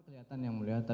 kelihatan ya mulia